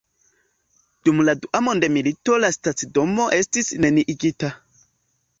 Dum la dua mondmilito la stacidomo estis neniigita.